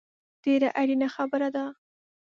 ډېره اړینه خبره ده